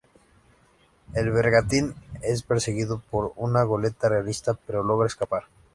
El bergantín es perseguido por una goleta realista pero logra escapar.